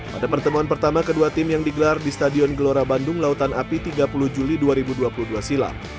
pada pertemuan pertama kedua tim yang digelar di stadion gelora bandung lautan api tiga puluh juli dua ribu dua puluh dua silam